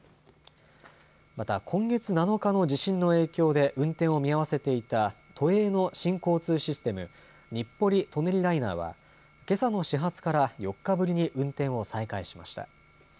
また今月７日の地震の影響で運転を見合わせていた都営の新交通システム、日暮里・舎人ライナーはけさの始発から４日ぶりに運転を再開しました。